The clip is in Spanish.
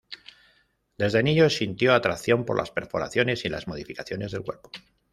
Desde niño sintió atracción por las perforaciones y las modificaciones del cuerpo.